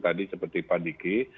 tadi seperti pak diki